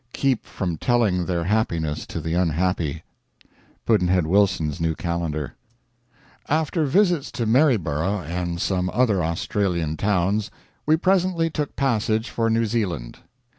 keep from telling their happinesses to the unhappy. Pudd'nhead Wilson's New Calendar. After visits to Maryborough and some other Australian towns, we presently took passage for New Zealand.